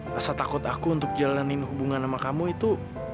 rasa takut aku untuk jalanin hubungan sama kamu itu